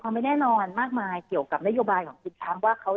ไม่แน่นอนมากมายเกี่ยวกับนโยบายของคุณทรัมป์ว่าเขา